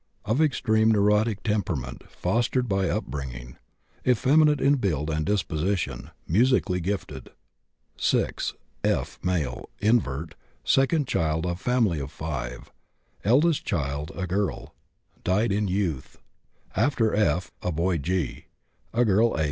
Of extreme neurotic temperament fostered by upbringing. Effeminate in build and disposition; musically gifted. 6. F., male, invert, second child of family of 5. Eldest child a girl, died in youth. After F. a boy G., a girl H.